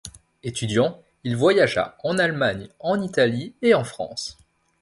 Étudiant il voyagea en Allemagne, en Italie et en France.